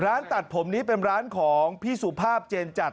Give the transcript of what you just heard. ร้านตัดผมนี้เป็นร้านของพี่สุภาพเจนจัด